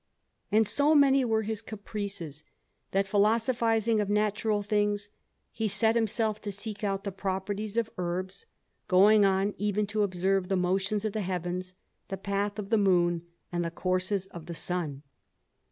And so many were his caprices, that, philosophizing of natural things, he set himself to seek out the properties of herbs, going on even to observe the motions of the heavens, the path of the moon, and the courses of the sun.